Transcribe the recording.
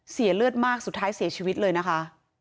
เสียเลือดมากสุดท้ายเสียชีวิตเลยนะคะ